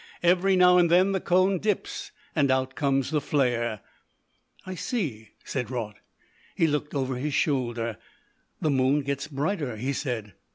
Every now and then the cone dips, and out comes the flare." "I see," said Raut. He looked over his shoulder. "The moon gets brighter," he said.